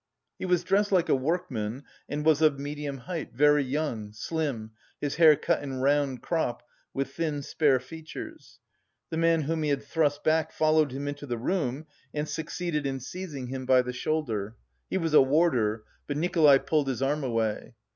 He was dressed like a workman and was of medium height, very young, slim, his hair cut in round crop, with thin spare features. The man whom he had thrust back followed him into the room and succeeded in seizing him by the shoulder; he was a warder; but Nikolay pulled his arm away.